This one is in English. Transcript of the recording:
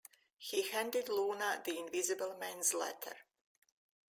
He handed Luna the Invisible Man's letter.